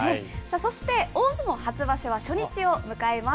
そして大相撲初場所は初日を迎えます。